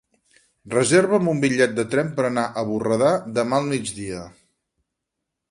Reserva'm un bitllet de tren per anar a Borredà demà al migdia.